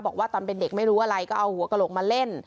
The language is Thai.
บอกว่าตอนเป็นเด็กไม่รู้อะไรก็เอาหัวกระโหลกมาเล่น